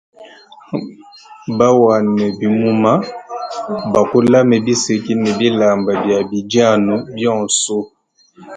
Bawane bimuma, bakulam biseki ne bilamba bia bidianu bionso.